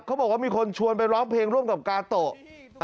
เขาบอกว่ามีคนชวนไปร้องเพลงร่วมกับกาโตะ